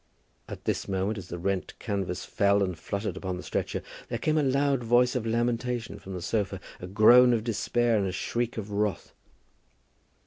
At this moment, as the rent canvas fell and fluttered upon the stretcher, there came a loud voice of lamentation from the sofa, a groan of despair and a shriek of wrath.